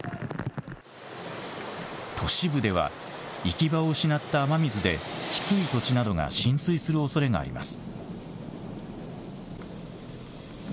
都市部では行き場を失った雨水で低い土地などが浸水するおそれがあります。